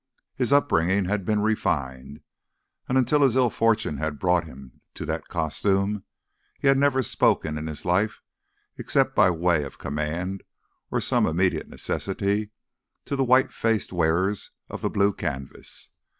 His upbringing had been refined, and, until his ill fortune had brought him to that costume, he had never spoken in his life, except by way of command or some immediate necessity, to the white faced wearers of the blue canvas.